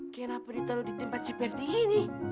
kenapa ditaruh di tempat seperti ini